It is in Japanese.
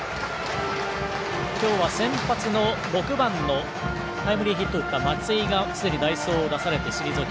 今日は先発の６番のタイムリーヒットを打った松井がすでに代走を出されて退き